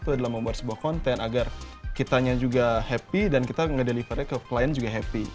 dan itu adalah membuat sebuah konten agar kitanya juga happy dan kita ngedelivernya ke klien juga happy